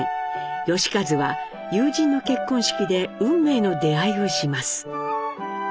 喜一は友人の結婚式で運命の出会いをします。